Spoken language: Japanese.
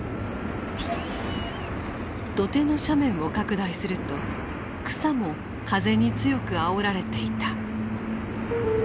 土手の斜面を拡大すると草も風に強くあおられていた。